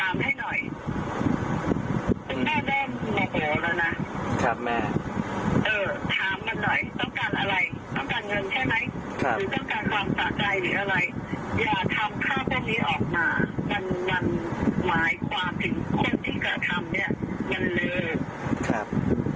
อย่าทำค่าพวกนี้ออกมามันมันหมายความถึงคนที่จะทำเนี่ยมันเลิกครับ